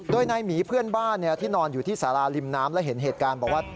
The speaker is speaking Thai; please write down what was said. โดยนายหมีเพื่อนบ้านที่นอนอยู่ที่สาราริมน้ำและเห็นเหตุการณ์บอกว่า